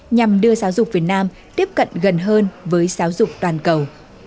nhằm đưa giáo dục việt nam tiếp cận gần hơn với giáo dục toàn cầu